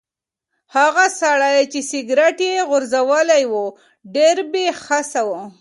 هغه سړی چې سګرټ یې غورځولی و ډېر بې حسه و.